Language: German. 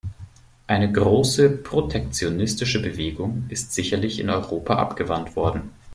Eine große protektionistische Bewegung ist sicherlich in Europa abgewandt worden.